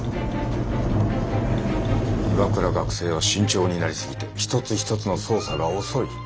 岩倉学生は慎重になり過ぎて一つ一つの操作が遅い。